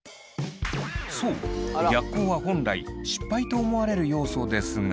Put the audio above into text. そう逆光は本来失敗と思われる要素ですが。